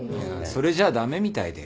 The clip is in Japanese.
それじゃ駄目みたいで。